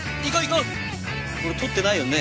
これ撮ってないよね？